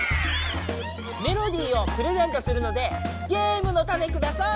メロディーをプレゼントするのでゲームのタネください！